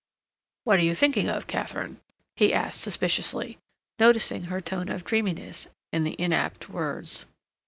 "What are you thinking of, Katharine?" he asked suspiciously, noticing her tone of dreaminess and the inapt words.